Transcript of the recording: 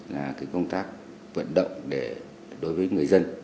là công tác vận động đối với người dân